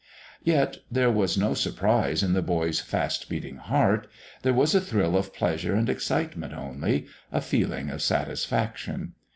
Yet there was no surprise in the boy's fast beating heart; there was a thrill of pleasure and excitement only, a feeling of satisfaction.